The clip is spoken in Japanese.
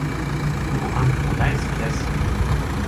チョコもあんこも大好きです